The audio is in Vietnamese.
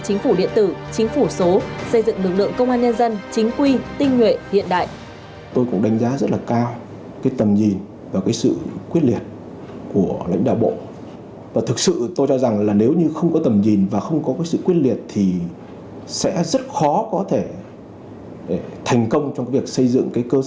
chính phủ điện tử chính phủ số xây dựng lực lượng công an nhân dân chính quy tinh nguyện hiện đại